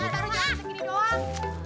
entar lu jangan segini doang